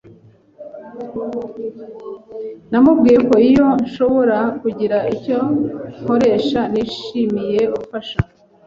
Namubwiye ko iyo nshobora kugira icyo nkoresha nishimiye gufasha.